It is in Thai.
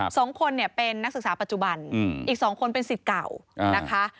สองคนเนี่ยเป็นนักศึกษาปัจจุบันอีกสองคนเป็นสิทธิ์เก่านะคะ